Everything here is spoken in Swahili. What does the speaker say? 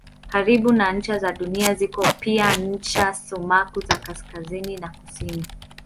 Karibu na ncha za Dunia ziko pia ncha sumaku za kaskazini na kusini.